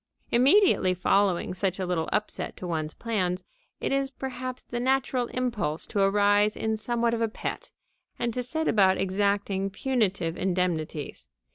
Immediately following such a little upset to one's plans, it is perhaps the natural impulse to arise in somewhat of a pet and to set about exacting punitive indemnities.